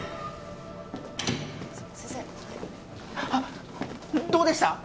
あっどうでした？